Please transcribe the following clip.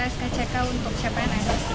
skck untuk cpns